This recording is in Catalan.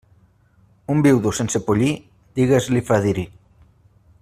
Un viudo sense pollí, digues-li fadrí.